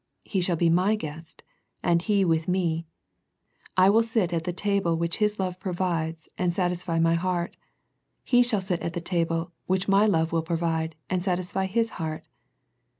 He shall be My guest, "and he with Me/' I will sit at the table which his love provides and satisfy My heart. He shall sit at the table which My love will provide, and satisfy his heart.